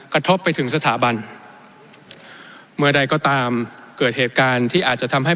กระทบไปถึงสถาบันเมื่อใดก็ตามเกิดเหตุการณ์ที่อาจจะทำให้